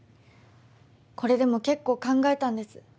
これでもけっこう考えたんです。